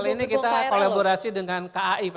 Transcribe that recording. kali ini kita kolaborasi dengan kai